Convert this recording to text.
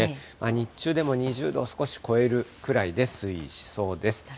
日中でも２０度少し超えるくらいで推移しそうです。